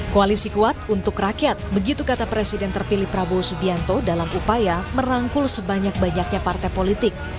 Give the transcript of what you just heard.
koalisi kuat untuk rakyat begitu kata presiden terpilih prabowo subianto dalam upaya merangkul sebanyak banyaknya partai politik